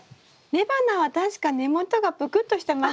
雌花は確か根元がぷくっとしてましたよね？